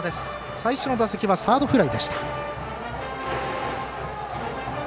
最初の打席はサードフライでした。